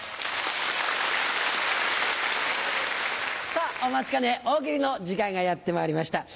さぁお待ちかね大喜利の時間がやってまいりました。